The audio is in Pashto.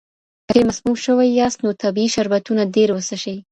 که چېرې مسموم شوي یاست، نو طبیعي شربتونه ډېر وڅښئ.